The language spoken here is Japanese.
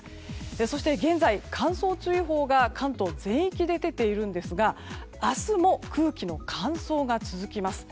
そして、現在、乾燥注意報が関東全域で出ているんですが明日も空気の乾燥が続きます。